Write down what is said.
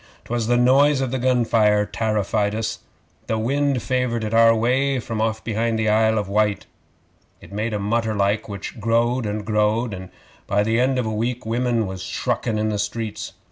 'Twas the noise of the gun fire tarrified us. The wind favoured it our way from off behind the Isle of Wight. It made a mutter like, which growed and growed, and by the end of a week women was shruckin' in the streets.